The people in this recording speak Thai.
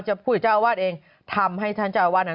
พูดกับเจ้าอาวาสเองทำให้ท่านเจ้าอาวาสนั้น